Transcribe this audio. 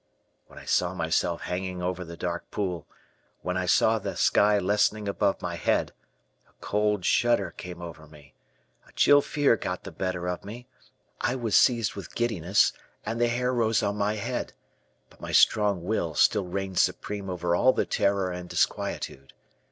When I saw myself hanging over the dark pool, when I saw the sky lessening above my head, a cold shudder came over me, a chill fear got the better of me, I was seized with giddiness, and the hair rose on my head; but my strong will still reigned supreme over all the terror and disquietude.